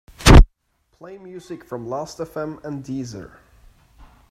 Play music from Lastfm and Deezer.